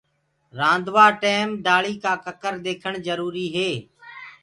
رآندوآ ٽيم دآݪي ڪآ ڪڪر ديکڻ جروري هي۔